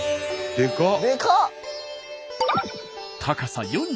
でかっ！